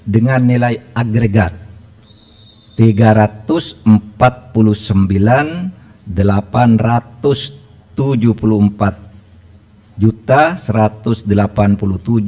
dengan nilai agregat rp tiga ratus empat puluh sembilan delapan ratus